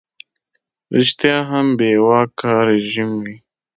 ریشتیا هم بې واکه رژیم وي.